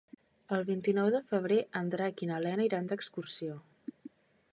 El vint-i-nou de febrer en Drac i na Lena iran d'excursió.